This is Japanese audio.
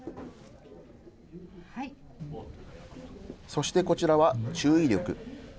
そしてこちらは注意力。